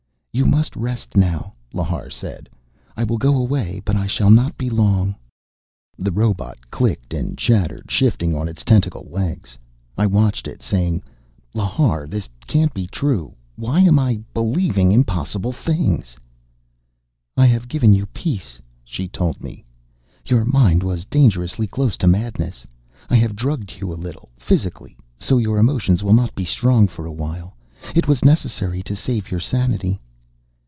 "You must rest now," Lhar said. "I will go away but I shall not be long." The robot clicked and chattered, shifting on its tentacle legs. I watched it, saying, "Lhar, this can't be true. Why am I believing impossible things?" "I have given you peace," she told me. "Your mind was dangerously close to madness. I have drugged you a little, physically; so your emotions will not be strong for a while. It was necessary to save your sanity."